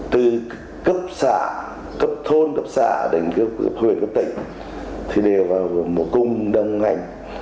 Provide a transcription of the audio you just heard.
từ cấp xã cấp thôn cấp xã đến cấp huyện cấp tỉnh thì đều vào một cung đồng hành